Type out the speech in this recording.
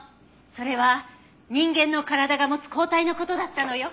それは人間の体が持つ抗体の事だったのよ。